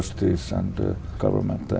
kinh nghiệm việt nam